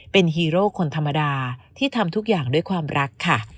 เป็นฮีโร่คนธรรมดาที่ทำทุกอย่างด้วยความรักค่ะ